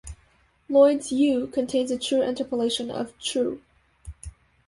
Lloyd's "You" contains an interpolation of "True".